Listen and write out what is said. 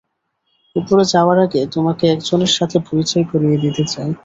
উপরে যাওয়ার আগে তোমাকে একজনের সাথে পরিচয় করিয়ে দিতে চাই।